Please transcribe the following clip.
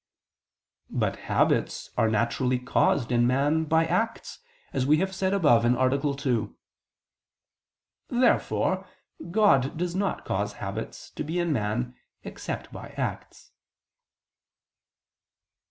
But habits are naturally caused in man by acts, as we have said above (A. 2). Therefore God does not cause habits to be in man except by acts.